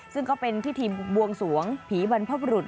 ซึ่งก็เป็นพิธีบวงสวงผีบรรพบรุษ